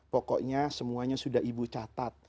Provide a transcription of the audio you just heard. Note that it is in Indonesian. pokoknya semuanya sudah ibu catat